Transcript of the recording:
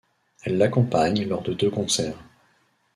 Elle l'accompagne lors de deux concerts.